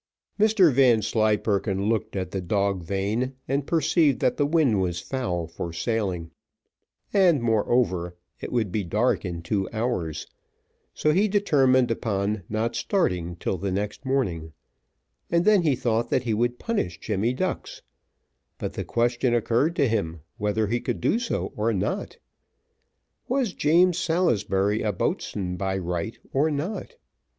Mr Vanslyperken looked at the dog vane, and perceived that the wind was foul for sailing, and moreover, it would be dark in two hours, so he determined upon not starting till the next morning, and then he thought that he would punish Jemmy Ducks; but the question occurred to him whether he could do so or not. Was James Salisbury a boatswain by right or not?